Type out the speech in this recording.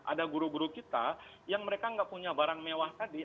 ada guru guru kita yang mereka nggak punya barang mewah tadi